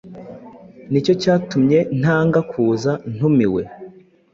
Ni cyo cyatumye ntanga kuza, ntumiwe.